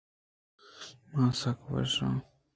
من سک وش آں۔